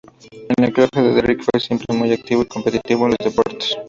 En el colegio, Derrick fue siempre muy activo y competitivo en los deportes.